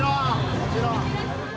もちろん。